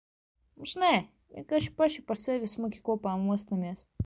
Moš nē, vienkārši paši par sevi smuki kopā mostamies.